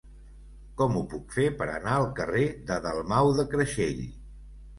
Com ho puc fer per anar al carrer de Dalmau de Creixell?